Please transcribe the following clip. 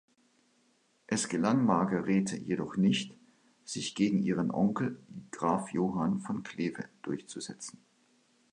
Es gelang Margarethe jedoch nicht, sich gegen ihren Onkel Graf Johann von Kleve durchzusetzen.